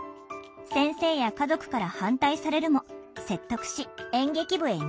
先生や家族から反対されるも説得し演劇部へ入部。